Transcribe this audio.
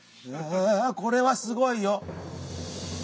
あこれはすごいよ！